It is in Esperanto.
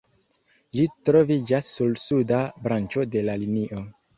Ĝi troviĝas sur suda branĉo de la linio.